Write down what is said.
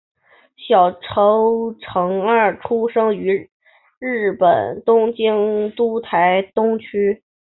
小川诚二出生于日本东京都台东区。